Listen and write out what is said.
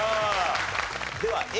ではＡ。